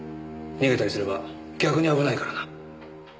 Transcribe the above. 逃げたりすれば逆に危ないからな。